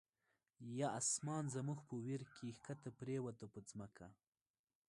یا آسمان زمونږ په ویر کی، ښکته پریوته په ځمکه